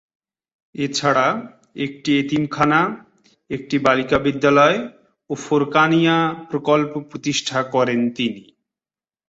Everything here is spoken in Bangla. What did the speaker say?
এছাড়া একটি এতিমখানা, একটি বালিকা বিদ্যালয় ও ফোরকানিয়া প্রকল্প প্রতিষ্ঠা করেন তিনি।